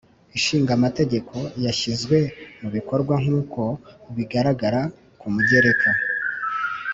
Ishinga Amategeko yashyizwe mu bikorwa nk uko bigaragara ku mugereka